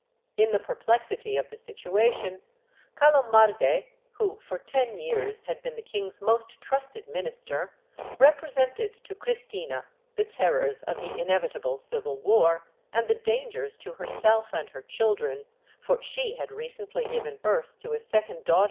In the per plexity of the situation, Calomarde, who for ten years had been the king's most trusted minister, represented to Cristina the terrors of the inevitable civil war, and the dangers to herself and her children, for she had recently given birth to a second daughter, Maria ^ Autos Acordados, Lib.